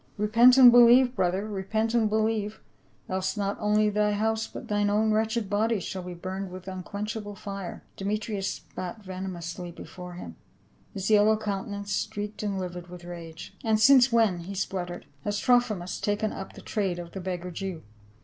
" Repent and believe, brother, repent and believe, else not only thy house but thine own wretched body shall be burned with unquenchable fire." 364 PA UL. Demetrius spat venomously before him, his yellow countenance streaked and livid with rage. " And since when," he spluttered, " has Trophimus taken up the trade of the beggar Jew